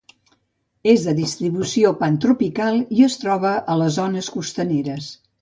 És de distribució pantropical i es troba a les zones costaneres.